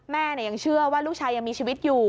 แม่ยังเชื่อว่าลูกชายยังมีชีวิตอยู่